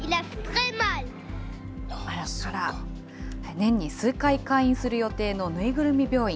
年に数回、開院する予定のぬいぐるみ病院。